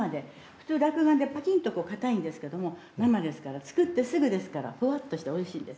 普通落雁ってパキンッとこう硬いんですけども生ですから作ってすぐですからふわっとしておいしいんです。